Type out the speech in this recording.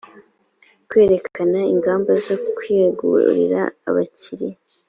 kwerekana ingamba zo kwegurira abakiriya